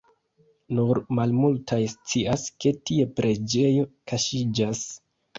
Nur malmultaj scias, ke tie preĝejo kaŝiĝas.